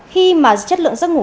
khi mà chất lượng giấc ngủ